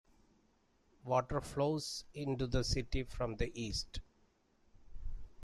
The water flows into the city from the east.